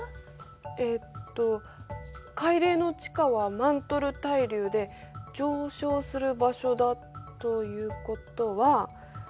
えっと海嶺の地下はマントル対流で上昇する場所だということは。